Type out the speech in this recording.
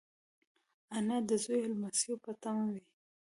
انا د زوی او لمسيو په تمه وي